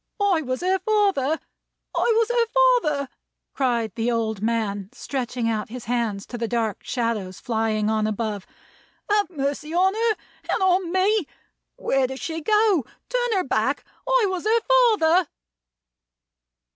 "I was her father! I was her father!" cried the old man, stretching out his hands to the dark shadows flying on above. "Have mercy on her, and on me! Where does she go? Turn her back! I was her father!"